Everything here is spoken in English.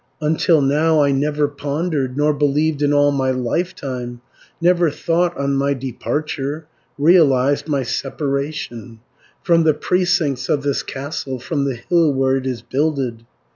"Until now I never pondered, Nor believed in all my lifetime, Never thought on my departure, Realized my separation, From the precincts of this castle, From the hill where it is builded.